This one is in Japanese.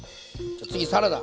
じゃあ次サラダ。